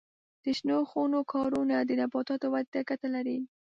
د شنو خونو کارونه د نباتاتو ودې ته ګټه لري.